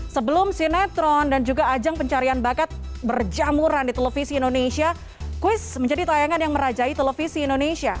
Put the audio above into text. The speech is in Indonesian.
sebelum sinetron dan juga ajang pencarian bakat berjamuran di televisi indonesia kuis menjadi tayangan yang merajai televisi indonesia